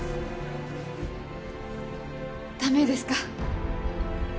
駄目ですか？